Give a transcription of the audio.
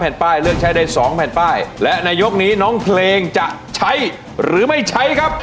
ป้ายเลือกใช้ได้สองแผ่นป้ายและในยกนี้น้องเพลงจะใช้หรือไม่ใช้ครับ